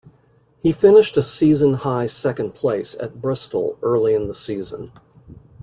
He finished a season-high second-place at Bristol early in the season.